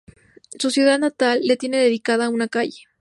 Su ciudad natal le tiene dedicada una calle.